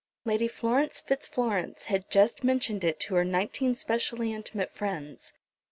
Lady Florence Fitzflorence had just mentioned it to her nineteen specially intimate friends.